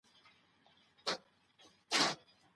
ما هره تراژيدۍ په غور لوستله.